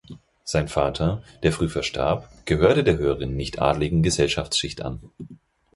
Sein Vater, der früh verstarb, gehörte der höheren nichtadeligen Gesellschaftsschicht an.